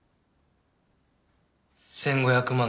１５００万